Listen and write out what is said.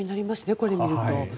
これを見ると。